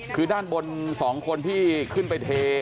คือด้านบน๒คนที่ขึ้นไปเท